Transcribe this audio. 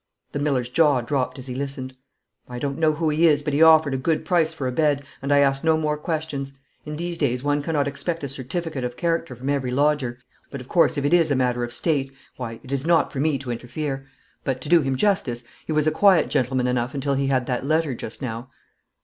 The miller's jaw dropped as he listened. 'I don't know who he is, but he offered a good price for a bed and I asked no more questions. In these days one cannot expect a certificate of character from every lodger. But, of course, if it is a matter of State, why, it is not for me to interfere. But, to do him justice, he was a quiet gentleman enough until he had that letter just now.'